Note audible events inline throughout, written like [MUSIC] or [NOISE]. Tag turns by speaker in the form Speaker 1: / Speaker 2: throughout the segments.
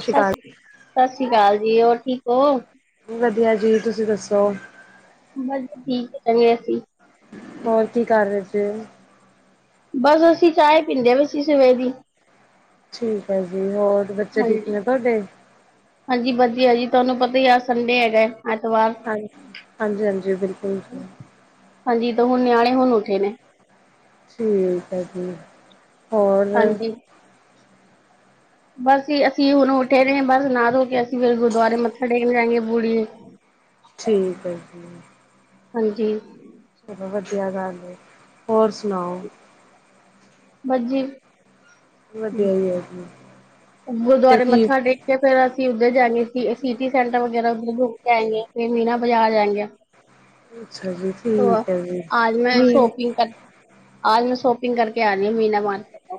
Speaker 1: ਸ਼੍ਰੀ
Speaker 2: ਸਤਿ
Speaker 1: ਅਕਾਲ
Speaker 2: ਸ੍ਰੀ ਸਤਿ ਸ੍ਰੀ ਅਕਾਲ ਜੀ ਹੋਰ ਠੀਕ ਹੋ
Speaker 1: [UNINTELLIGIBLE] ਜੀ ਤੁਸੀਂ ਦੱਸੋ
Speaker 2: ਬਸ ਠੀਕ ਹੈ ਚੀਏ ਵਸੀੇ
Speaker 1: ਹੋਰ ਕੀ ਕਰ ਰਹੇ ਸੀ
Speaker 2: ਬਸ ਅਸੀਂ ਚਾਹ ਪੀਂਦੇ ਵਸੀ ਸਵੇਰ ਦੀ
Speaker 1: ਠੀਕ ਹੈ ਜੀ ਹੋਰ ਬੱਚੇ ਠੀਕ
Speaker 2: ਹਾਂਜੀ।
Speaker 1: ਨੇ ਤੁਹਾਡੇ
Speaker 2: ਹਾਂਜੀ ਵਧੀ ਹਜੀ ਤੁਹਾਨੂੰ ਪਤਾ ਹੀ ਆ ਸੰਡੇ ਹੈਗਾ ਐਤਵਾਰ।
Speaker 1: ਹਾਂਜੀ ਹਾਂਜੀ ਹਾਂਜੀ ਬਿਲਕੁਲ
Speaker 2: ਹਾਂਜੀ ਤਾਂ ਹੁਣ ਨਿਆਣੇ ਹੁਣ ਉੱਠੇ ਨੇ
Speaker 1: ਠੀਕ ਹੈ ਜੀ ਹੋਰ
Speaker 2: ਹਾਂਜੀ। ਬਸ ਅਸੀਂ ਹੁਣ ਉੱਠੇ ਰਹੇ ਹ ਬਸ ਅਥ ਹੋ ਕੇ ਅਸੀਂ ਫਿਰ ਗੁਰਦੁਆਰੇ ਮੱਥਾ ਟੇਕਣ ਜਾਏਗੇ ਬੂੜੀ
Speaker 1: ਠੀਕ ਹੈੀ
Speaker 2: ਹਾਂਜੀ
Speaker 1: ਚਲੋ ਵਧੀਆ ਗੱਲ ਹੋਰ ਸੁਣਾਓ
Speaker 2: ਬਾੱਜੀ
Speaker 1: ਵਧੀਆ ਹੀ ਹੈ ਜੀ ਫਿਰ
Speaker 2: ਗੁਰਦੁਆਰੇ
Speaker 1: ਕੀ
Speaker 2: ਮੱਥਾ ਟੇਕ ਕੇ ਫੇਰ ਅਸੀਂ ਉਧਰ ਜਾ ਸਿਟੀ ਸੈਂਟਰ ਵਗੈਰਾ ਉਧਰ ਘੁੰਮ ਕੇ ਆਏ ਫਿਰ ਮੀਨਾ ਬਾਜ਼ਾਰ ਜਾਏ ਗ
Speaker 1: ਅੱਛਾ ਜੀ ਠੀਕ ਹੈ ਜੀ
Speaker 2: ਆਜ ਮੈਂ
Speaker 1: ਮੀਨ
Speaker 2: ਸ਼ੋਪਿੰਗ ਕਰ ਆ ਮੈਂ ਸ਼ੋਪ ਟਿੰਗ ਕਰਕੇ ਆ ਰ ਆ ਮੀਨਾ ਮਾਰਟ ਤੋਂ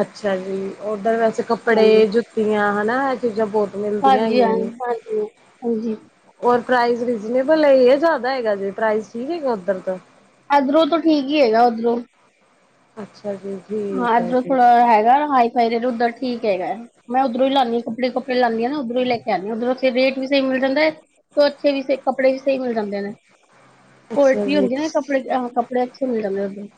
Speaker 1: ਅੱਛਾ ਜੀ ਉੱਧਰ ਵੈਸੇ
Speaker 2: ਹਾਂਜੀ
Speaker 1: ਕੱਪੜੇ ਜੁੱਤੀਆਂ ਹਨਾ ਇਹ ਚੀਜ਼ਾਂ ਬਹੁਤ ਮਿਲਦੀਆਂ
Speaker 2: ਹਾਂਜੀ ਹਾਂ
Speaker 1: ਹੈਗੀਆਂ ਨੇ
Speaker 2: ਹਾਂਜੀ ਹਾਂਜੀ
Speaker 1: ਹੋਰ ਪ੍ਰਾਈ ਰੀਜਨੇਬਲ ਜ਼ਿਆਦਾ ਹੈਗਾ ਜੇ ਪ੍ਰਾਈ ਠੀਕ ਹੈਗਾ ਉੱਧਰ ਤੋਂ
Speaker 2: ਇਧਰੋਂ ਤਾਂ ਠੀਕ ਹੀ ਹੈਗਾ ਉੱਧਰੋਂ
Speaker 1: ਅੱਛਾ। ਜੀ
Speaker 2: ਹਾਂ
Speaker 1: ਠੀਕ ਹੈ
Speaker 2: ਇਧਰ
Speaker 1: ਜੀ
Speaker 2: ਥੋੜਾ, ਹੈਗਾ ਹਾਈ ਫਾਈ ਉੱਧਰ ਠੀਕ ਹੈਗਾ, ਮੈਂ ਉੱਧਰੋਂ ਹੀ ਲੈਂਦੀ। ਆਪਣੇ ਕਪੜੇ ਲਿਆਣੀ ਨਾ ਓਧਰੋਂ ਲੈ ਕੇ? ਲਿਆਣੀ ਓਧਰੋਂ, ਰੇਟ ਵੀ ਸਹੀ ਮਿਲ ਜਾਂਦਾ ਹੈ। ਤੇ ਅੱਛੇ ਕੱਪੜੇ ਵੀ, ਸਹੀ ਮਿਲ ਜਾਂਦੇ ਨੇ। ਕੋਵਾਲਟ
Speaker 1: ਅੱਛਾ ਜੀ
Speaker 2: ਹੁੰਦੀ ਨਾ ਕੱਪੜੇ ਅੱਛੇ ਮਿਲ ਜਾਂਦੇ ਉਦੇ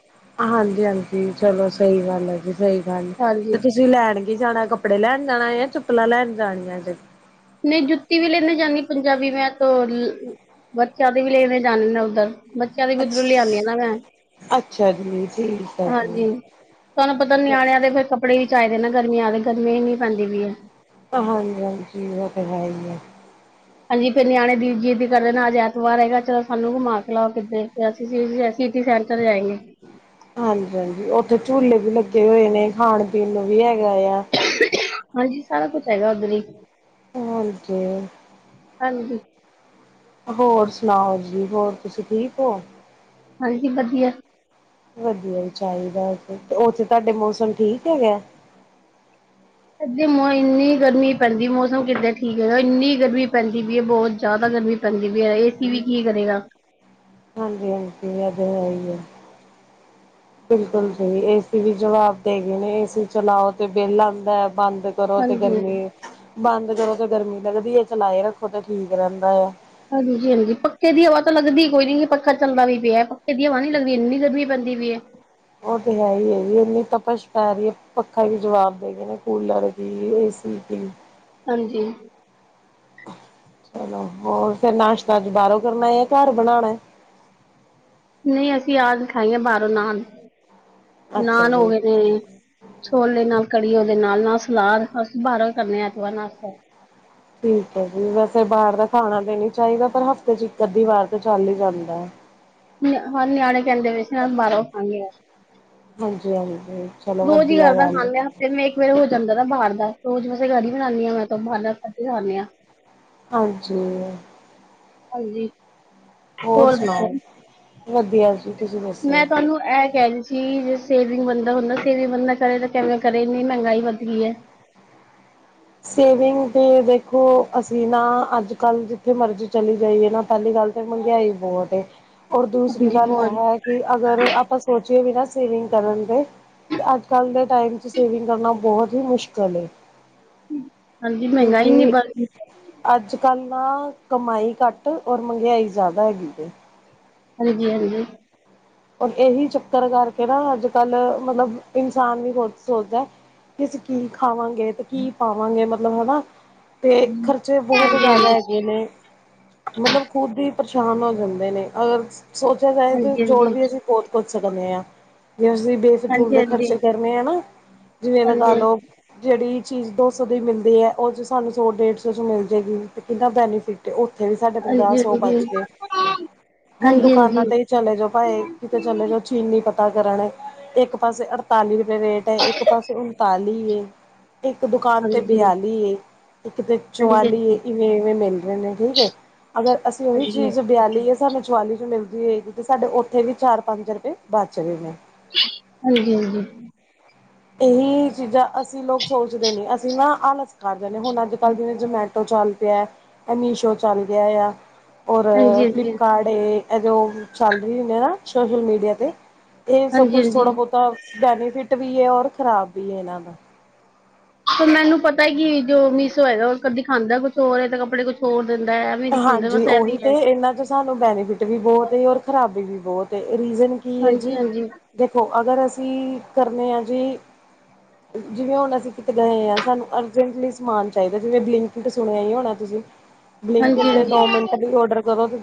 Speaker 1: ਹਾਂਜੀ ਹਾਂਜੀ ਚਲੋ, ਸਹੀ ਗੱਲ ਹੈ ਜੀ। ਸਹੀ ਗੱਲ ਤੇ
Speaker 2: ਹਾਂਜੀ
Speaker 1: ਤੁਸੀਂ ਲੈਣ ਜਾਣਾ, ਕੱਪੜੇ ਲੈਣ ਜਾਣਾ ਏ ਚਪਲਾਂ ਲੈਣ ਜਾਣੀਆਂ ਜ
Speaker 2: ਨਈ ਜੁੱਤੀ ਵੀ ਲੈਦੇ ਜਾਂਦੀ ਪੰਜਾਬੀ, ਮੈਂ ਤੋਂ ਬਚਿਆਂ ਦੇ ਵੀ ਲੈ ਕੇ ਜਾਣੀ। ਬੱਚਿਆਂ ਦੀ, ਉੱਧਰੋਂ ਲਿਆਉਦੀ ਆ ਨਾ
Speaker 1: ਅੱਛਾ
Speaker 2: ਮੈਂ।
Speaker 1: ਅੱਛਾ ਜੀ ਠੀਕ ਹੈ ਜੀ
Speaker 2: ਹਾਂਜੀ, ਤੁਹਾਨੂੰ ਪਤਾ ਨਿਆਣਿਆਂ ਦੇ, ਫੇਰ ਕੱਪੜੇ ਚਾਹੀਦੇ ਨਾ ਗਰਮੀਆ ਵਾਲੇ, ਗਰਮੀ ਏਨੀ ਪੈਦੀ ਪਈ ਅ
Speaker 1: ਹਾਂਜੀ--ਹਾਂਜੀ ਉਹ ਹੈ ਹੀ, ਆ
Speaker 2: ਹਾਂਜੀ, ਫਿਰ ਨਿਆਣੇ ਦੀ ਜਿੱਦ ਕਰਦੇ, ਅੱਜ ਐਤਵਾਰ ਹੈਗਾ, ਚਲੋ ਸਾਨੂੰ ਘੁੰਮਾ ਕੇ ਲਓ ਕਿੱਧਰੇ। ਸਿਟੀ ਸੈਂਟਰ, ਲੈ ਗਏ।
Speaker 1: ਹਾਂਜੀ--ਹਾਜ਼ੀ ਉੱਥੇ ਝੂਲੇ, ਵੀ ਲੱਗੇ ਹੋਏ ਨੇ ਖਾਣ ਪੀਣ ਨੂੰ ਵੀ ਹੈਗਾ ਆ।
Speaker 2: ਹਾਂਜੀ, ਸਾਰਾ ਕੁੱਛ ਹੈਗਾ, ਉੱਧਰ ਹੀ?
Speaker 1: ਹਾਂਜੀ
Speaker 2: ਹਾਂਜੀ।
Speaker 1: ਹੋਰ ਸੁਣਾਓ ਜੀ, ਹੋਰ ਤੁਸੀਂ ਠੀਕ ਹੋ?
Speaker 2: ਹਾਂਜੀ ।ਵਧੀਆ।
Speaker 1: ਵਧੀਆ ਹੀ ਚਾਹੀਦਾ ਉੱਥੇ, ਉੱਥੇ ਤੁਹਾਡੇ ਮੌਸਮ ਠੀਕ ਹੈਗਾ?
Speaker 2: ਇੰਨੀ ਗਰਮੀ ਪੈਂਦੀ ਮੌਸਮ ਕਿੱਦਾਂ ਠੀਕ ਹੈ ।ਇੰਨੀ ਗਰਮੀ ਪੈਂਦੀ ਵੀ ਇਹ ਬਹੁਤ ਜਿਆਦਾ ਗਰਮੀ ਪੈਂਦੀ। ਹਾਂਜੀ ਵੀ ਏ ਸੀ ਵੀ ਕੀ ਕਰੇਗਾ।
Speaker 1: ਹਾਂਜੀ ਹਾਂਜੀ, ਇਹ ਤੇ ਹੈ ਹੀ ਐ। ਬਿਲਕੁਲ ਸਹੀ। ਏ ਸੀ ਵੀ ਜਵਾਬ ਦੇ ਗਏ ਨੇ। ਏਸੀ ਚਲਾਓ ਤੇ ਬਿੱਲ ਆਉਂਦਾ। ਬੰਦ ਕਰੋ ਤੇ
Speaker 2: ਹਾਂਜੀ।
Speaker 1: ਗਰਮੀ। ਬੰਦ ਜਦੋਂ ਤੇ ਗਰਮੀ ਲੱਗਦੀ ਹੈ ਚਲਾਏ ਰੱਖੋ ਤੇ ਠੀਕ ਰਹਿੰਦਾ ਆ।
Speaker 2: ਹਾਂਜੀ-ਹਾਂਜੀ, ਪੱਖੇ ਦੀ ਹਵਾ ਤਾਂ ਲੱਗਦੀ ਈ ਕੋਈ ਨੀ, ਪੱਖਾ ਚੱਲਦਾ ਵੀ ਪਿਆ। ਪੱਖੇ ਦੀ ਹਵਾ ਨੀ ਲੱਗਦੀ ਇੰਨੀ ਗਰਮੀ ਪੈਂਦ ਦੀ ਵੀ ਏ।
Speaker 1: ਉਹ ਤੇ ਹੈ ਹੀ ਹੈ ਜੀ, ਇੰਨੀ ਤਪਸ਼ ਪੈ ਰਹੀ ਐ, ਪੱਖਾ ਵੀ ਜਵਾਬ ਦੇ ਗਏ ਨੇ ਕੂਲਰ ਵੀ ਏਸੀ ਠੀਕ ਐ।
Speaker 2: ਹਾਂਜੀ
Speaker 1: ਚਲੋ, ਹੋਰ ਫੇਰ ਨਾਸ਼ਤਾ ਅੱਜ ਬਾਹਰੋਂ ਕਰਨਾ ਏ ਘਰ ਬਣਾਣਾ ਐ [INAUDIBLE]
Speaker 2: ਨਹੀਂ ਅਸੀਂ ਆਜ ਖਾਈਆਂ ਬਾਹਰੋਂ ਨਾਨ
Speaker 1: ਅੱਛਾ
Speaker 2: ਨਾਨ ਹੋ
Speaker 1: ਜੀ
Speaker 2: ਗਏ ਨੇ, ਛੋਲੇ ਨਾਲ। ਕੜੀ ਓਦੇ ਨਾਲ-ਨਾਲ ਸਲਾਦ, ਅਸੀ ਬਾਹਰੋਂ ਕਰਨੇ ਐਤਵਾਰ ਨਾਸਤਾ।
Speaker 1: ਠੀਕ ਹੈ ਜੀ, ਵੈਸੇ ਬਾਹਰ ਦਾ ਖਾਣਾ ਤੇ ਨੀ ਚਾਹੀਦਾ ਪਰ ਹਫ਼ਤੇ ਚ ਇੱਕ ਅੱਧੀ ਵਾਰ ਤਾਂ ਚੱਲ ਹੀ ਜਾਂਦਾ ਐ।
Speaker 2: ਹਾਂ ਨਿਆਣੇ ਕਹਿੰਦੇ ਪਏ ਸੀ ਨਾ ਬਾਹਰੋਂ ਖਾਣੀ ਅੱਜ
Speaker 1: ਹਾਂਜੀ ਹਾਂਜੀ ਚਲੋ
Speaker 2: ਰੋਜ਼ ਹੀ
Speaker 1: ਵਧੀਆ
Speaker 2: ਘਰ ਦਾ
Speaker 1: ਗੱਲ ਹੈ।
Speaker 2: ਖਾਂਦੇ ਫਿਰ ਮੈਂ ਇੱਕ ਵਾਰ ਹੋ ਜਾਂਦਾ ਨਾ ਬਾਹਰ ਦਾ ਰੋਜ਼ ਵੈਸੇ ਘਰ ਹੀ ਬਣਾਦੀ ਆ ਮੈਂ ਤਾ, ਬਾਹਰ ਦਾ ਘੱਟ ਹੀ ਖਾਂਦੇ ਆ।
Speaker 1: ਹਾਂਜੀ।
Speaker 2: ਹਾਂਜੀ। ਹੋਰ ਦਸੋ,
Speaker 1: ਵਧੀਆ ਜੀ ਤੁਸੀਂ
Speaker 2: ਮੈਂ
Speaker 1: ਦੱਸੋ?
Speaker 2: ਤੁਹਾਨੂੰ ਇਹ ਕਹਿ ਰਹੀ। ਚੀਜ ਸੇਵਿੰਗ ਬੰਦਾ ਹੁੰਦਾ, ਸੇਵਿੰਗ ਬੰਦਾ ਕਰੇ ਤਾਂ ਕਿਵੇਂ ਕਰੇ ਇੰਨੀ ਮਹਿੰਗਾਈ ਵੱਧ ਗਈ ਏ।
Speaker 1: [INAUDIBLE] ਸੇਵਿੰਗ ਦੀ ਦੇਖੋ, ਅਸੀਂ ਨਾ ਅੱਜ-ਕੱਲ੍ਹ ਜਿੱਥੇ ਮਰਜ਼ੀ ਚਲੇ ਜਾਈਏ ਨਾ ਪਹਿਲੀ ਗੱਲ ਤਾਂ ਮਹਿੰਗਾਈ ਬਹੁਤ ਐ ਔਰ ਦੂਸਰੀ
Speaker 2: ਹਾਂਜੀ
Speaker 1: ਗੱਲ
Speaker 2: ਬਹੁਤ,
Speaker 1: ਇਹ ਹੈ ਕਿ ਅਗਰ ਆਪਾਂ ਸੋਚ ਕੇ ਵੀ ਨਾ ਸੇਵਿੰਗ ਕਰਨ ਦੇ ਤੇ ਅੱਜ ਕੱਲ੍ਹ ਦੇ ਟਾਈਮ ' ਸੇਵਿੰਗ ਕਰਨਾ ਬਹੁਤ ਹੀ ਮੁਸ਼ਕਲ ਏ।
Speaker 2: ਹਾਂਜੀ ਮਹਿੰਗਾਈ ਇੰਨੀ
Speaker 1: ਕਿਉਂਕਿ,
Speaker 2: ਵੱਧ ਗਈ,
Speaker 1: ਅੱਜ ਅੱਜ ਕੱਲ ਨਾ ਕਮਾਈ ਘੱਟ ਔਰ ਮਹਿੰਗਾਈ ਜ਼ਿਆਦਾ ਹੈਗੀ ਜੇ।
Speaker 2: ਹਾਂਜੀ ਹਾਂਜੀ।
Speaker 1: ਇਹੀ ਚੱਕਰ ਕਰਕੇ ਨਾ ਅੱਜ ਕੱਲ੍ਹ ਮਤਲਬ ਇਨਸਾਨ ਨੀ ਸੋਚਦਾ। ਅਸੀ ਕੀ ਖਾਵਾਂਗੇ ਤੇ ਕੀ ਪਾਵਾਂਗੇ ਮਤਲਬ ਹੈ ਨਾ। ਤੇ ਖ਼ਰਚੇ ਬਹੁਤ ਜ਼ਿਆਦਾ ਹੈਗੇ
Speaker 2: ਹਾਂਜੀ-ਹਾਂਜੀ,
Speaker 1: ਨੇ ਮਤਲਬ ਖੁਦ ਦੀ ਪਰੇਸ਼ਾਨ ਹੋ ਜਾਂਦੇ ਨੇ ਅਗਰ ਸੋਚਿਆ ਜਾਏ ਤੇ। ਜੋੜ ਵੀ
Speaker 2: ਹਾਂਜੀ-ਹਾਂਜੀ।
Speaker 1: ਅਸੀਂ ਬਹੁਤ ਪੁੱਛ ਸਕਦੇ ਹਾਂ ਜੇ ਅਸੀਂ ਬੇਫਜ਼ੂਲ
Speaker 2: ਹਾਂਜੀ
Speaker 1: ਦੇ
Speaker 2: ਹਾਂਜੀ
Speaker 1: ਖਰਚੇ ਕਰਨੇ ਆ ਨਾ। ਜਿਵੇਂ
Speaker 2: ਹਾਂਜੀ
Speaker 1: ਲਗਾ ਲਓ ਜਿਹੜੀ। ਚੀਜ਼ ਦੋ ਸੌ ਦੀ ਮਿਲਦੀ ਹੈ ਉਹ 'ਚ ਸਾਨੂੰ ਸੌ ਡੇਢ ਸੌ 'ਚ ਮਿਲ ਜਾਏਗੀ ਤੇ ਕਿੰਨਾ ਬੈਨੀਫਿਟ ਹੈ ਉਹ। ਉੱਥੇ ਵੀ ਸਾਡੇ ਪੰਜਾਹ
Speaker 2: ਹਾਂਜੀ ਹਾਂਜੀ
Speaker 1: ਸੌ
Speaker 2: ਹਾਂਜੀ
Speaker 1: ਬਚ ਗਏ ਹੁਣ
Speaker 2: ਹਾਂਜੀ
Speaker 1: ਦੁਕਾਨਾਂ ਤੇ ਹੀ ਚਲੇ ਜਾਉ। ਭਏ ਕਿਤੇ ਚਲੇ ਜਾਓ ਚੀਨੀ। ਪਤਾ ਕਰਨ ਇੱਕ ਪਾਸੇ ਅਠਤਾਲੀ ਰੁਪਏ ਰੇਟ ਹੈ। ਇੱਕ ਪਾਸੇ ਉਨਤਾਲੀ ਏ। ਇੱਕ ਦੁਕਾਨ ਤੇ
Speaker 2: ਹਾਂਜੀ
Speaker 1: ਬਿਆਲੀ ਏ। ਇੱਕ ਤੇ
Speaker 2: ਹਾਂਜੀ ਹਾਂਜੀ
Speaker 1: ਚੁਵਾਲੀ ਏ
Speaker 2: ਹਾਂਜੀ
Speaker 1: ਇਵੇਂ-ਇਵੇਂ ਮਿਲ ਜਾਂਦੇ ਨੇ ਠੀਕ ਏ। ਅਗਰ ਅਸੀਂ ਉਹੀ ਚੀਜ ਬਿਆਲੀ ਸਾਨੂੰ ਚੁਵਾਲੀ ਰੁਪਏ ਚ ਮਿਲਦੀ ਹੋਏਗੀ ਤੇ ਸਾਡੇ ਉੱਥੇ ਵੀ ਚਾਰ ਪੰਜ ਰੁਪਏ ਬਚ ਗਏ ਨੇ।
Speaker 2: ਹਾਂਜੀ ਹਾਂਜੀ।
Speaker 1: ਇਹੀ ਚੀਜ਼ਾਂ, ਅਸੀਂ ਲੋਕ ਸੋਚਦੇ ਨੀ, ਅਸੀਂ ਨਾ ਆਾਲਤ ਖਾ ਜਾਨੇ, ਆ ਨੇ ਹੁਣ ਅੱਜ ਕੱਲ੍ਹ ਦੀਆਂ ਜਨਾ ਜਮਾਟੋ, ਚੱਲ ਪਿਆ ਐਮੀਸ਼ੋ ਚੱਲ ਪਿਆ, ਆ ਔਰ
Speaker 2: ਹਾਂਜੀ
Speaker 1: ਫਲਿੱਪਕਾਰਡ ਏ ਇਹ ਚੱਲ ਰਹੀ ਏ ਨਾ ਸੋਸ਼ਲ ਮੀਡੀਆ ਤੇ, ਇਹ ਸਭ
Speaker 2: ਹਾਂਜੀ
Speaker 1: ਕੁਛ ਥੋੜਾ
Speaker 2: ਹਾਂਜੀ
Speaker 1: ਬਹੁਤਾ ਬੈਨੀਫਿਟ, ਵੀ ਹੈ ਔਰ ਖ਼ਰਾਬ, ਵੀ ਹੈ ਇਹਨਾਂ ਦਾ
Speaker 2: ਤੇ ਮੈਨੂੰ ਪਤਾ ਹੈ ਕਿ, ਜੋ ਮਿਸ ਹੋਇਗਾ ਉਹ ਦਿਖਾਂਦਾ ਕੁਛ ਹੋਰ ਹੈ, ਤਾਂ ਕੱਪੜੇ ਕੁਛ ਹੋਰ ਦਿੰਦਾ ਹੈ ਐਵੇਂ ਦਿਖਾਂਦਾ
Speaker 1: ਹਾਂਜੀ
Speaker 2: ਬਸ
Speaker 1: ਉਹੀ
Speaker 2: ਐਵੇਂ
Speaker 1: ਤੇ
Speaker 2: ਹੈ
Speaker 1: ਇਹਨਾਂ ਚ ਸਾਨੂੰ ਬੈਨੀਫਿਟ ਵੀ ਬਹੁਤ ਔਰ ਖ਼ਰਾਬੀ ਵੀ ਬਹੁਤ ਰੀਜ਼ਨ ਕੀ ਹੈ
Speaker 2: ਹਾਂਜੀ
Speaker 1: ਜੀ,
Speaker 2: ਹਾਂਜੀ
Speaker 1: ਦੇਖਅਗਰ? ਜਿਵੇਂ ਹੁਣ ਅਸੀਂ ਕਿਤੇ ਗਏ ਹਾਂ, ਸਾਨੂੰ ਅਰਜੈਂਟਲੀ ਸਮਾਨ ਚਾਹੀਦਾ ਜਿਵੇਂ, 'ਬਲਿੰਕਟ ਸੁਣਿਆ ਹੀ ਹੋਣਾ ਤੁਸੀਂ?
Speaker 2: ਹਾਂਜੀ
Speaker 1: ਬਲਿੰਕਟ, ਤੇ
Speaker 2: ਹਾਂਜੀ
Speaker 1: ਦੋ ਮਿੰਟ ਲਈ ਔਡਰ ਕਰੋ ਤੇ?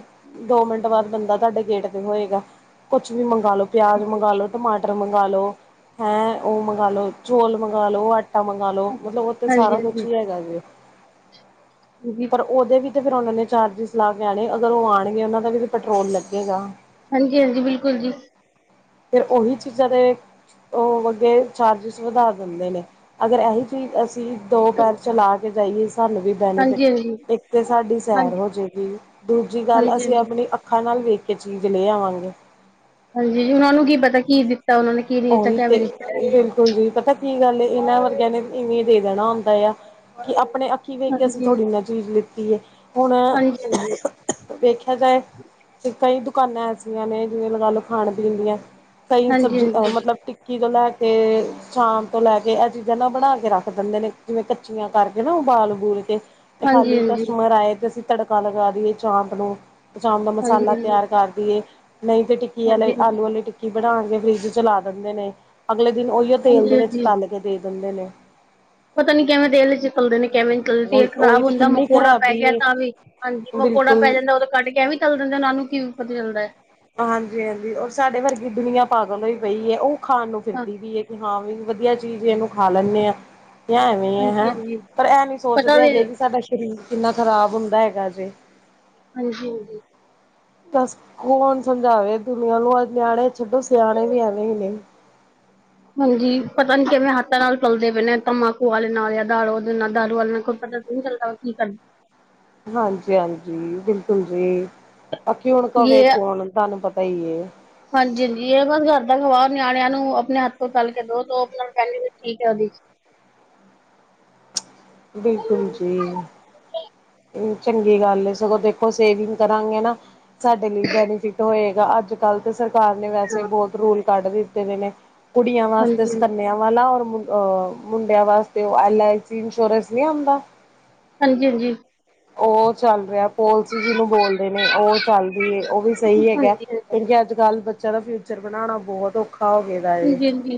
Speaker 1: ਦੋ ਮਿੰਟ ਬਾਅਦ, ਬੰਦਾ ਤੁਹਾਡੇ ਗੇਟ ਤੇ ਹੋਏਗਾ, ਕੁਛ ਵੀ ਮੰਗਾ ਲੋ ਪਿਆਜ ਮੰਗਾ ਟਮਾਟਰ ਮੰ ਮਗਾ ਲੋ, ਓ ਉਹ ਮੰਗਾ ਲੋ ਚੌਲ, ਮਗਾ ਲੋ ਆਟ ਆਟਾ, ਮੰਗਾਲੋ ਮਤਲਬ ਉਹਥੇ
Speaker 2: ਹਾਂਜੀ
Speaker 1: ਸਾਰਾ ਕੁੱਝ
Speaker 2: ਹਾਂਜੀ
Speaker 1: ਹੀ ਹੈਗਾ ਜੇ।
Speaker 2: ਜੀ
Speaker 1: ਪਰ ਉਹਦੇ ਵਿੱਚ ਤੇ ਫਿਰ, ਉਹਨਾਂ ਨੇ ਚਾਰਜਿਸ ਲਾ ਕੇ ਆਣੇ, ਅਗਰ ਉਹ ਆਉਣਗੇ, ਉਹਨਾਂ ਦਾ ਵੀ ਪੈਟਰੋਲ ਲੱਗੇਗਾ।
Speaker 2: ਹਾਂਜੀ-ਹਾਂਜੀ ਬਿਲਕੁਲ ਜੀ,
Speaker 1: ਫਿਰ, ਉਹੀ ਚੀਜ਼ਾਂ ਦੇ ਉਹ ਅੱਗੇ ਚਾਰਜਿਸ, ਵਧਾ ਦਿੰਦੇ ਨੇ ਅਗਰ ਇਹੀ ਚੀਜ਼ ਅਸੀਂ, ਦੋ ਪੈਰ ਚਲਾ ਕੇ ਜਾਈਏ, ਸਾਨੂੰ ਵੀ
Speaker 2: ਹਾਂਜੀ
Speaker 1: ਬੈਨੀਫਿਟ ਇੱਕ ਤੇ ਸਾਡੀ, ਸੈਰ
Speaker 2: ਹਾਂਜੀ
Speaker 1: ਹੋ ਜਾਏਗੀ, ਦੂਜੀ ਗੱਲ
Speaker 2: ਹਾਂਜੀ
Speaker 1: ਅਸੀਂ
Speaker 2: ਹਾਂਜੀ
Speaker 1: ਆਪਣੀ ਅੱਖਾਂ ਨਾਲ ਵੇਖ ਕੋਈ ਚੀਜ਼, ਲੈ ਆਵਾਂਗੇ।
Speaker 2: ਹਾਂਜੀ, ਉਹਨਾਂ ਨੂੰ ਕੀ ਪਤਾ ਕੀ ਦਿੱਤਾ ਉਹਨਾਂ ਨੇ ਕੀ ਨਹੀਂ ਦਿੱਤਾ
Speaker 1: ਉਹੀ ਤੇ
Speaker 2: ਕਿਵੇਂ ਦਿੱਤਾ ਹੈ।
Speaker 1: ਬਿਲਕੁਲ, ਜੀ ਪਤਾ? ਕੀ ਗੱਲ, ਏ ਇਹਨਾਂ ਵਰਗਿਆਂ ਨੇ, ਇਵੇਂ ਦੇ ਦੇਣਾ ਹੁੰਦਾ ਆ, ਕਿ ਆਪਣੇ ਅੱਖੀਂ ਵੇਖ ਕੇ ਅਸੀਂ
Speaker 2: ਹਾਂਜੀ
Speaker 1: ਥੋੜ੍ਹੀ ਨਾ ਚੀਜ਼ ਲਿੱਤੀ ਹੈ ਹੁਣ,?
Speaker 2: ਹਾਂਜੀ ਹਾਂਜੀ
Speaker 1: ਵੇਖਿਆ ਜਾਏ ਤੇ ਕਈ [INAUDIBLE] ਦੁਕਾਨਾਂ, ਐਸੀਆਂ ਨੇ ਜਿਵੇਂ ਲਗਾ ਲੋ ਖਾਣ ਪੀਣ ਦੀਆਂ ਕਈ
Speaker 2: ਹਾਂਜੀ-ਹਾਂਜੀ,
Speaker 1: ਸਬਜੀ ਮਤਲਬ, ਸ਼ਾਮ ਤੋਂ ਲੈ ਕੇ, ਇਹ ਚੀਜ਼ਾਂ ਨਾ ਬਣਾ ਕੇ ਰੱਖ ਦਿੰਦੇ ਨੇ ਜਿਵੇਂ ਕੱਚੀਆਂ, ਕਰਕੇ ਨਾ ਉਬਾਲ ਕੇ ਤੇ ਖਾਲੀ,
Speaker 2: ਹਾਂਜੀ-ਹਾਂਜੀ,
Speaker 1: ਕਸਟਮਰ, ਆਏ ਤੇ ਅਸੀਂ ਤੜਕਾ ਲਗਾ ਦੀਏ ਚਾਂਪ ਨੂੰ। ਪ [INAUDIBLE] ਚਾਮ ਦਾ ਮਸਾਲਾ
Speaker 2: ਹਾਂਜੀ-ਹਾਂਜੀ,
Speaker 1: ਤਿਆਰ ਕਰ ਦੇਏ ਨਹੀਂ ਤੇ ਟਿੱਕੀ ਵਾਲੇ
Speaker 2: ਹਾਂਜੀ-ਹਾਂਜੀ,
Speaker 1: ਆਲੂ ਵਾਲੀ ਟਿੱਕੀ ਬਣਾਉਣਗੇ ਫਰਿੱਜ ਚਲਾ ਦਿੰਦੇ ਨੇ, ਅਗਲੇ ਦਿਨ ਉਹੀਓ ਤੇਲ ਦੇ ਵਿੱਚ
Speaker 2: ਹਾਂਜੀ-ਹਾਂਜੀ।
Speaker 1: ਤਲ ਕੇ, ਦੇ ਦਿੰਦੇ ਨੇ।
Speaker 2: ਪਤਾ ਨੀ ਕਿਵੇਂ ਦੇਲ ਚ ਤੋੜੇ ਨੇ? ਕਿਵੇ ਤੇਲ ਖਰਾਬ
Speaker 1: ਉਹੀ ਤੇ
Speaker 2: ਹੁੰਦਾ
Speaker 1: ਕਿੰਨੀ
Speaker 2: ਮਕੌੜਾ ਪੈ
Speaker 1: ਖ਼ਰਾਬੀ
Speaker 2: ਗਿਆ,
Speaker 1: ਏ
Speaker 2: ਤਾਂ ਵੀ ਹਾਂਜੀ, ਮਕੌੜਾ ਪੈ
Speaker 1: ਬਿਲਕੁਲ
Speaker 2: ਜਾਂਦਾ ਉਹੋਂ ਕੱਢ ਕੇ ਐਵੇਂ, ਤਲ ਦਿੰਦੇ,? ਨਾਨੂੰ, ਕਿਵੇਂ ਪਤਾ ਚੱਲਦਾ ਹੈ?
Speaker 1: ਹਾਂਜੀ-ਹਾਂਜੀ ਔਰ ਸਾਡੇ ਵਰਗੀ ਦੁਨੀਆਂ ਪਾਗਲ ਹੋਈ ਪਈ ਹੈ, ਉਹ ਖਾਣ ਨੂੰ
Speaker 2: ਹਾਂ
Speaker 1: ਫਿਰਦੀ, ਵੀ ਹੈ ਕਿ ਹਾਂ ਵੀ ਵਧੀਆ ਚੀਜ਼ ਇਹਨੂੰ ਖਾ ਲੈਂਨੇ ਹਾਂ ਐਵੇਂ ਹੈ ਹੈਂ
Speaker 2: ਹਾਂਜੀ-ਹਾਂਜੀ।
Speaker 1: ਪਰ ਇਹ ਨੀ
Speaker 2: ਪਤਾ
Speaker 1: ਸੋਚਦੇ
Speaker 2: ਵੀ
Speaker 1: ਹੈਗੇ ਕਿ ਸਾਡਾ ਸਰੀਰ ਕਿੰਨਾ ਖ਼ਰਾਬ ਹੁੰਦਾ ਹੈਗਾ ਜੇ
Speaker 2: ਹਾਂਜੀ
Speaker 1: ਬੱਸ ਕੌਣ ਸਮਝਾਵੇ ਦੁਨੀਆਂ ਨੂੰ ਅੱ ਨਿਆਣੇ ਛੱਡੋ ਸਿਆਣੇ ਵੀ ਐਵੇਂ ਹੀ ਨੇ [UNINTELLIGIBLE]
Speaker 2: ਹਾਂਜੀ ਪਤਾ ਨੀ ਕਿਵੇਂ ਹੱਥਾਂ ਨਾਲ ਚਲਦੇ ਪਏਣੇ ਤਮਬਾਕੂ ਵਾਲੇ ਨਾਲ ਆ ਦਾਰੂ ਦੇ ਨਾਲ ਦਾਰੂ ਵਾਲੇ ਕੋਲ ਪਤਾ ਓਏ ਗੱਲਾ ਕੀ ਕਰਨ
Speaker 1: ਹਾਂਜੀ ਹਾਂਜੀ ਬਿਲਕੁਲ ਜੀ ਬਾਕੀ ਹੁਣ ਕਵੇ ਕੌਣ ਤੁਹਾਨੂੰ ਪਤਾ ਸਹੀ ਏ
Speaker 2: ਹਾਂਜੀ ਹਾਂਜੀ ਇਹ ਬਸ ਘਰ ਦਾ ਖਵਾ ਨਿਆਣਿਆਂ ਨੂੰ ਆਪਣੇ ਹੱਥ ਤੋਂ ਤਲ ਕੇ ਦੋ ਉਹ ਕਹਿਣ ਗੇ ਠੀਕ ਹੈ ਜੀ
Speaker 1: ਬਿਲਕੁਲ
Speaker 2: ਉਹਦੀ।
Speaker 1: ਜੀ ਚੰਗੀ ਗੱਲ ਸਗੋਂ ਦੇਖੋ ਸੇਵਿੰਗ ਕਰਾਂਗੇ ਨਾ ਸਾਡੇ ਲਈ ਬੈਨੀਫਿਟ ਹੋਏਗਾ ਅੱਜ ਕੱਲ੍ਹ ਤਾਂ ਸਰਕਾਰ ਨੇ ਵੈਸੇ ਬਹੁਤ ਰੂਲ ਕੱਢ ਦਿੱਤੇ ਦੇ ਨੇ ਕੁੜੀਆਂ ਵਾਸਤੇ
Speaker 2: ਹਾਂਜੀ
Speaker 1: ਸਕੰਨਿਆਂ ਵਾਲਾ ਔਰ ਮੁੰਡਿਆਂ ਵਾਸਤੇ ਉਹ ਐਲ ਆਈ ਸੀ ਚੋਰਸ ਨਹੀਂ ਆਉਂਦਾ
Speaker 2: ਹਾਂਜੀ ਹਾਂਜੀ
Speaker 1: ਉਹ ਚੱਲ ਰਿਹਾ ਪੋਲਸੀ ਜਿਹਨੂੰ ਬੋਲਦੇ ਨੇ ਉਹ ਚੱਲਦੀ ਹੈ ਉਹ ਵੀ ਸਹੀ
Speaker 2: ਹਾਂਜੀ
Speaker 1: ਹੈਗਾ
Speaker 2: ਹਾਂਜੀ ਹਾਂਜੀ
Speaker 1: ਕਿਉਂਕਿ ਅੱਜ ਕੱਲ ਬ ਦਾ ਫਿਊਚਰ ਬਣਾਉਣਾ ਬਹੁਤ ਔਖਾ ਹੋ ਗੇ ਦਾ ਏ
Speaker 2: ਹਾਂਜੀ ਹਾਂਜੀ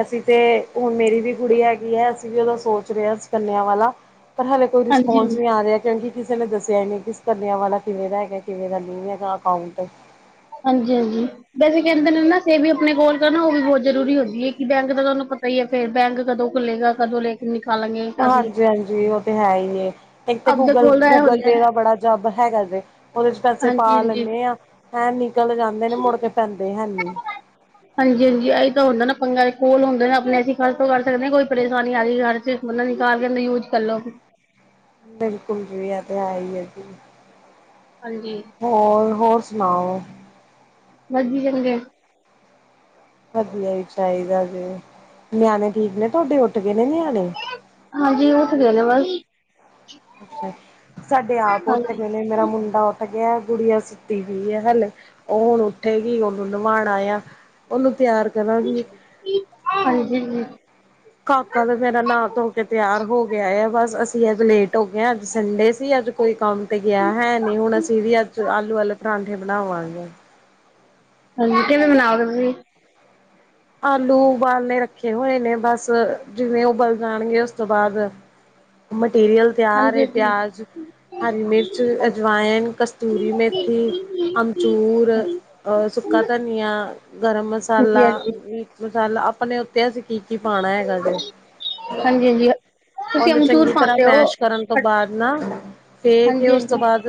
Speaker 1: ਅਸੀਂ ਤੇ ਹੁਣ ਮੇਰੀ ਵੀ ਕੁੜੀ ਹੈਗੀ ਹੈ ਅਸੀਂ ਵੀ ਉਹਦਾ ਸੋਚ ਰਹੇ ਹਾਂ ਸੁ ਕੰਨਿਆਂ ਵਾਲਾ ਪਰ ਹਲੇੇ ਫੋਨ ਜੀਵੇ
Speaker 2: ਹਾਂਜੀ
Speaker 1: ਆ ਜਾਏ ਕਿਉਂਕਿ ਕਿਸੇ ਨੇ ਦੱਸਿਆ ਇਹ ਨੇ ਕਿਸ ਕਰੱਲਿਆਂ ਵਾਲਾ ਕਿਵੇਂ ਦਾ ਹੈਗਾ ਕਿਵੇਂ ਦਾ ਨਹੀਂ ਹੈਗਾ ਅਕਾਉਂਟ
Speaker 2: ਹਾਂਜੀ ਹਾਂਜੀ ਵੈਸੇ ਕਹਿੰਦੇ ਨੇ ਨਾ ਸੇਵ ਆਪਣੇ ਕੋਲ ਕਰਨਾ ਉਹ ਵੀ ਬਹੁਤ ਜ਼ਰੂਰੀ ਹੁੰਦੀ ਹੈ ਕਿ ਬੈਂਕ ਦਾ ਤੁਹਾਨੂੰ ਪਤਾ ਹੀ ਹੈ ਫੇਰ ਬੈਂਕ ਕਦੋਂ ਖੁੱਲੇਗਾ ਕਦੋਂ ਲੈ ਕੇ ਨਿਕਲ
Speaker 1: ਹਾਂਜੀ ਹਾਂਜੀ ਉਹ ਤੇ ਹੈ ਹੀ ਹੈ ਇੱਕ ਤੇ
Speaker 2: ਆਪਦੇ
Speaker 1: ਗੂਗਲ
Speaker 2: ਕੋਲ ਦਾ ਇਹ
Speaker 1: ਗੂਗਲ
Speaker 2: ਹੁੰਦਾ
Speaker 1: ਪੇ ਦਾ ਬੜਾ ਜਬ ਹੈ ਹੈ ਕਰਦੇ ਉਹਦੇ ਚ ਪੈਸੇ ਪਾ
Speaker 2: ਹਾਂਜੀ ਹਾਂਜੀ
Speaker 1: ਲੈਂਦੇ ਆ ਹੈਂ ਨੀ
Speaker 2: ਹਾਂਜੀ ਹਾਂਜੀ ਇਹ ਤਾਂ ਹੁੰਦਾ ਨਾ ਪੰਗਾ ਦੇ ਕੋਲ ਹੁੰਦਾ ਆਪਣੇ ਐਸੀ ਖਰਚ ਕਰ ਸਕਦੇ ਹਾਂ ਕੋਈ ਪਰੇਸ਼ਾਨੀ ਆ ਰਹੀ ਖਰ ਚ ਬੰਦਾ ਨਿਕਾਲ ਕੇਦਾ ਯੂਜ ਕਰ ਲੋ
Speaker 1: ਬਿਲਕੁਲ ਜੀ ਇਹ ਤੇ ਹੈ ਹੀ ਏ ਜੀ
Speaker 2: ਹਾਂਜੀ
Speaker 1: ਹੋਰ ਹੋਰ ਸੁਣਾਓ
Speaker 2: ਨਸਦੀ [UNINTELLIGIBLE]
Speaker 1: ਵਧੀਆ ਵੀ ਚਾਹੀਦਾ ਜੇ ਨਿਆਣੇ ਠੀਕ ਨੇ ਤੁਹਾਡੇ ਉੱਠ ਕੇ
Speaker 2: ਹਾਂਜੀ ਉੱਥੇ ਗਏ ਆ ਬੱਸ
Speaker 1: ਅੱਛਾ ਸਾਡੇ ਆਪ ਉੱਠ
Speaker 2: ਹਾਂਜੀ
Speaker 1: ਗਏ ਨੇ ਮੇਰਾ ਮੁੰਡਾ ਉੱ ਗਿਆ ਗੁੜੀੀਆਂ ਸੁਿੱਤੀ ਵੀਈ ਹੈ ਹਲੇ ਉਹ ਹੁਣ ਉੱਥੇ ਗ ਉਹਨੂੰ ਨਵਾਾਉਣਾ ਆ ਉਹਨੂੰ ਤਿਆਰ ਕਰਾਂਗੀ।
Speaker 2: [UNINTELLIGIBLE]
Speaker 1: ਕਾਕਾ ਦਾ ਮੇਰਾ ਨਾਂ ਧੋ ਕੇ ਤਿਆਰ ਹੋ ਗਿਆ ਗਿਆ ਆ ਬਸ ਅਸੀਂ ਅੱਜ ਲੇਟ ਹੋ ਗਏ ਹਾਂ ਅੱਜ ਸੰਡੇ ਸੀ ਅੱਜ ਕੋਈ ਕੰਮ ਤੇ ਗਿਆ ਹੈ ਨਹੀਂ ਹੁਣ ਅਸੀਂ ਵੀ ਅੱਜ ਆਲੂ ਆਲੇ ਪਰਾਂਠੇ ਬਣਾਵਾਂਗੇ
Speaker 2: [UNINTELLIGIBLE]
Speaker 1: ਆਲੂ ਉਬਾਲਨੇ ਰੱਖੇ ਹੋਏ ਨੇ ਬਸ ਜਿਵੇਂ ਉਬਲ ਜਾਣਗੇ ਉਸ ਤੋਂ ਬਾਅਦ ਮਟੀਰੀਅਲ ਤਿਆਰ
Speaker 2: ਹਾਂਜੀ ਜੀ
Speaker 1: ਪਿਆਜ ਹਰੀ ਮਿਰਚ ਅਜਵਾਇਨ ਕਸਤੂਰੀ ਮੇਥੀ ਅਮਚੂਰ
Speaker 2: ਹਾਂਜੀ
Speaker 1: ਸੁੱਕਾ ਧਨੀਆ ਗਰਮ ਮਸਾਲਾ
Speaker 2: ਹਾਂਜੀ ਹਾਂਜੀ
Speaker 1: ਮੀਟ ਮਸਾਲਾ ਆਪਣੇ ਉੱ ਿਆ ਸੀ ਕੀ ਕੀ ਪਾਉਣਾ ਹੈਗਾ ਜੇ
Speaker 2: ਹਾਂਜੀ ਤੁਸੀਂ
Speaker 1: ਉਹਨੂੰ
Speaker 2: ਅਮਚੂਰ
Speaker 1: ਚੰਗੀ ਤਰ੍ਹਾਂ
Speaker 2: ਪਾਉਂਦੇ ਹੋ
Speaker 1: ਮੈਸ਼ ਕਰਨ ਤੋਂ ਬਾਅਦ ਨਾ ਫੇ ਕੇ
Speaker 2: ਹਾਂਜੀ
Speaker 1: ਉਸ ਤੋਂ
Speaker 2: ਹਾਂਜੀ
Speaker 1: ਬਾਅਦ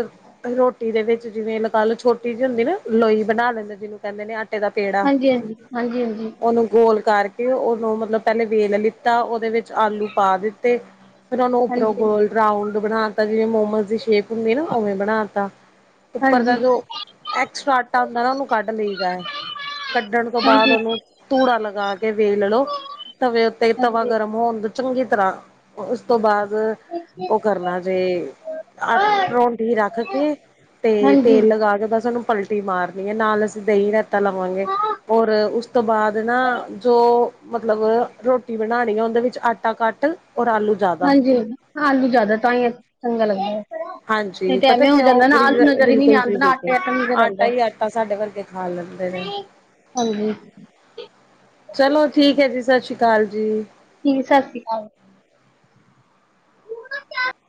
Speaker 1: ਰੋਟੀ ਟੀ ਦੇ ਵਿੱਚ ਜਿਵੇਂ ਲ ਲ ਛੋਟੀ ਜਿਹੀ ਹੁੰਦੀ ਨਾ ਲੋਈ ਬਣਾ ਲਿੰਦਾ ਜਿਹਨੂੰ ਕਹਿੰਦੇ ਨੇ ਆਟੇ ਦਾ ਪੇੜਾ
Speaker 2: ਹਾਂਜੀ ਹਾਂਜੀ। ਹਾਂਜੀ ਹਾਂਜੀ
Speaker 1: ਉਹਨੂੰ ਗੋਲ ਕਰ। ਤੇ ਉਹਨੂੰ ਮਤਲਬ ਪਹਿਲੇ ਵੇਲ ਲਿੱਤਾ ਉਹਦੇ ਵਿੱਚ ਆਲੂ ਪਾ ਦਿੱਤੇ। ਫਿਰ ਉਹਨੂੰ ਉਪਰੋਂ
Speaker 2: ਹਾਂਜੀ
Speaker 1: ਗੋਲ ਰਾਊਂਡ ਬਣਾ ਤਾ ਜਿਵੇਂ ਮੋਮੋਜ਼ ਦੀ ਸ਼ੇਪ ਹੁੰਦੀ ਨਾ ਉਵੇਂ ਬਣਾ ਤਾ। ਉੱਪਰ ਦਾ
Speaker 2: ਹਾਂਜੀ
Speaker 1: ਜੋ ਐਕਸਟਰਾ ਆਟਾ ਹੁੰਦਾ ਨਾ ਉਹਨੂੰ ਕੱਢ ਲਈਦਾ ਹੈ ਕੱਢਣ ਤੋਂ। ਬਾਅਦ
Speaker 2: ਹਾਂਜੀ
Speaker 1: ਉਹਨੂੰ ਧੂੜਾ ਲਗਾ ਕੇ ਵੇਲ ਲੋ ਤਵੇ ਉੱਤੇ ਤਵਾ
Speaker 2: ਹਾਂਜੀ
Speaker 1: ਗਰਮ ਹੋਣ ਚੰਗੀ ਤਰਾਂ ਉਸ ਤੋਂ ਬਾਅਦ। ਉਹ ਕਰਨਾ ਜੇ ਅ [UNINTELLIGIBLE] ਰੱਖ ਕੇ ਤੇ
Speaker 2: ਹਾਂਜੀ
Speaker 1: ਤੇਲ ਲਗਾ ਕੇ ਬਸ ਉਹਨੂੰ ਪਲਟੀ ਮਾਰਨੀ ਹੈ ਨਾਲ ਅਸੀਂ ਦਹੀਂ ਰਾਇਤਾ ਲਾਵਾਂਗੇ। ਉਸ ਤੋਂ ਬਾਅਦ ਨਾ ਜੋ ਮਤਲਬ ਰੋਟੀ ਬਣਾਉਣੀ ਆ ਉਹਦੇ ਵਿੱਚ ਆਟਾ ਘਟ।
Speaker 2: ਹਾਂਜੀ ਆਲੂ ਜ਼ਿਆਦਾ ਤਾਂ ਹੀ ਚੰਗਾ ਲੱਗ ਦਾ ਅ।
Speaker 1: ਹਾਂਜੀ ਪਤਾ ਕੀ ਓ
Speaker 2: ਨਜ਼ਰ ਹੀ ਨਹੀਂ
Speaker 1: ਬਿਲਕੁਲ ਜੀ
Speaker 2: ਆਉਂਦਾ ਨਾ ਆਟੇ
Speaker 1: ਬਿਲਕੁਲ
Speaker 2: ਨਜ਼ਰ
Speaker 1: ਆਟਾ
Speaker 2: ਆਉਂਦਾ
Speaker 1: ਹੀ ਆਟਾ ਸਾਡੇ ਵਰਗੇ ਖਾ ਲ ਲਂਦੇ ਨੇ
Speaker 2: ਹਾਂਜੀ।
Speaker 1: ਚਲੋ ਠੀਕ ਹੈ ਜੀ ਸਤਿ ਸ਼੍ਰੀ ਅਕਾਲ ਜੀ।
Speaker 2: ਠੀਕ ਸਤਿ ਸ੍ਰੀ ਅਕਾਲ। [UNINTELLIGIBLE]